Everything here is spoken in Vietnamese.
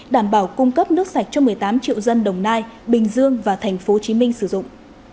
đảm bảo cung cấp nước sạch cho một mươi tám triệu dân đồng nai bình dương và tp hcm sử dụng